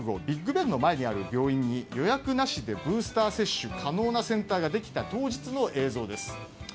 ビッグベンの前にある病院で予約なしでブースター接種可能なセンターができた当日の映像です。